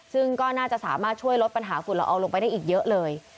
ซึ่งก็น่าจะสามารถช่วยลดปัญหาฝุ่นละอองลงไปได้อีกเยอะเลย